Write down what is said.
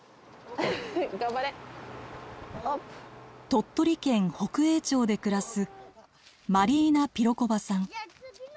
鳥取県北栄町で暮らすマリーナ・ピロコヴァさん。